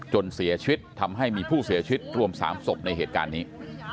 จนเสียชีวิตทำให้มีผู้เสียชีวิตรวม๓ศพในเหตุการณ์นี้